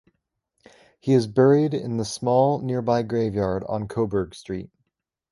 He is buried in the small nearby graveyard on Coburg Street.